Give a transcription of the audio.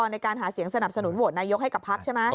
ในการหาเสียงสนับสนุนโหวตนายกให้กับพักใช่ไหม